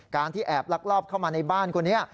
ที่แอบลักลอบเข้ามาในบ้านคนนี้